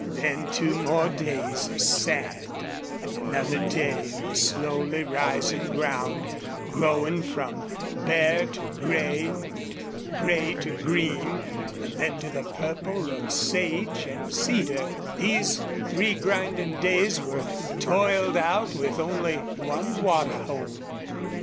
Then two more days of sand and another day of a slowly rising ground growing from bare to gray and gray to green, and then to the purple of sage and cedar these three grinding days were toiled out with only one water hole.